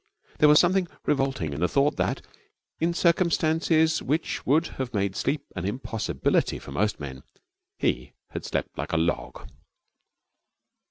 There was something revolting in the thought that, in circumstances which would have made sleep an impossibility for most men, he had slept like a log.